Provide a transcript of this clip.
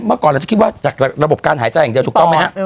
เมื่อก่อนเราจะคิดว่าจากระบบการหายใจอย่างเดียวถูกต้องไหมฮะ